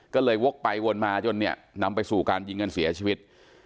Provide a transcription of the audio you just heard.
ก็เลยวกไปวนมาจนเนี่ยนำไปสู่การยิงกันเสียชีวิต